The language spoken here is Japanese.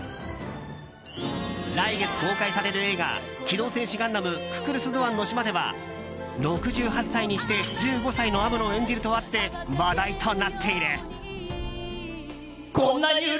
来月公開される映画「機動戦士ガンダムククルス・ドアンの島」では６８歳にして１５歳のアムロを演じるとあって話題となっている。